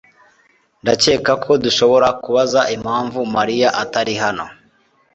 Ndakeka ko dushobora kubaza impamvu Mariya atari hano.